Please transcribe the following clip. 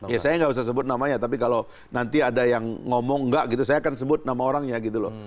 ya saya nggak usah sebut namanya tapi kalau nanti ada yang ngomong nggak gitu saya akan sebut nama orangnya gitu loh